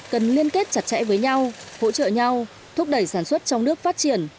cần liên kết chặt chẽ với nhau hỗ trợ nhau thúc đẩy sản xuất trong nước phát triển